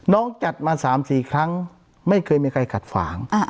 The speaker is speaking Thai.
จัดมา๓๔ครั้งไม่เคยมีใครขัดฝาง